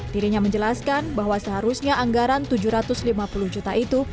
dirinya menjelaskan bahwa seharusnya anggaran tujuh ratus lima puluh juta itu